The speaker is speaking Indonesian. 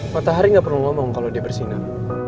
matahari nggak perlu ngomong kalau dia bersinar